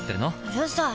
うるさい！